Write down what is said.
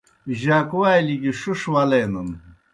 جاکوالیْ گیْ ݜِݜ ولینَن۔